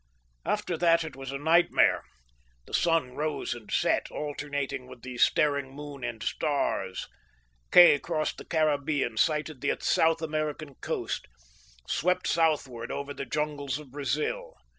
After that it was a nightmare. The sun rose and set, alternating with the staring moon and stars. Kay crossed the Caribbean, sighted the South American coast, swept southward over the jungles of Brazil.